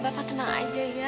bapak tenang aja ya